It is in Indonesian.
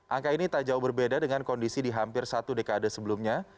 angka ini tak jauh berbeda dengan kondisi di hampir satu dekade sebelumnya